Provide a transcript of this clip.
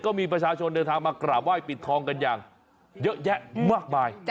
ก็มีประชาชนเดินทางมากราบไห้ปิดทองกันอย่างเยอะแยะมากมาย